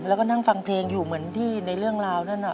แล้วก็นั่งฟังเพลงอยู่เหมือนที่ในเรื่องราวนั่นน่ะ